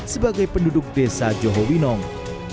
sebagai penduduk desa johowinong